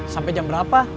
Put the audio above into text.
sampai jam berapa